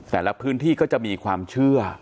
แต่ละพื้นที่ก็จะมีความเชื่อ